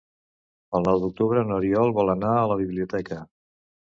El nou d'octubre n'Oriol vol anar a la biblioteca.